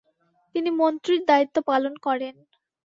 তিনি মন্ত্রীর দায়িত্ব পালন করেন।